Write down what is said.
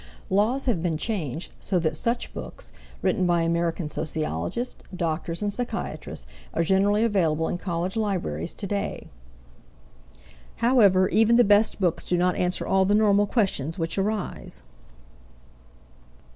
Laws have been changed so that such books written by American sociologists, doctors, and psychiatrists are generally available in college libraries today. However, even the best books do not answer all the normal questions which arise.